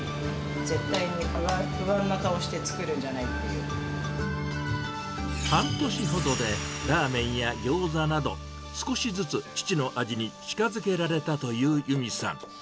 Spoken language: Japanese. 絶対に不安な顔して作るんじゃな半年ほどでラーメンやギョーザなど、少しずつ、父の味に近づけられたという由美さん。